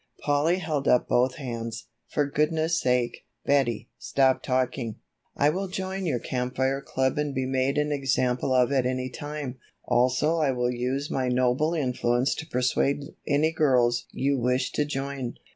Polly held up both hands. "For goodness sake, Betty, stop talking, I will join your Camp Fire Club and be made an example of at any time, also I will use my noble influence to persuade any girls you wish to join.